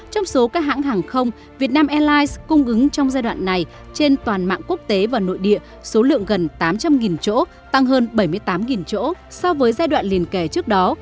trong số các hãng hàng không việt nam airlines cung ứng trong giai đoạn này trên toàn mạng quốc tế và nội địa số lượng gần tám trăm linh chỗ tăng hơn bảy mươi tám chỗ so với giai đoạn liền kẻ trước đó